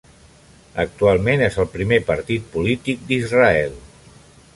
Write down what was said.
Actualment és el primer partit polític d'Israel.